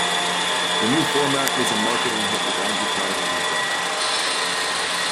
The new format was a marketing hit with advertisers as well.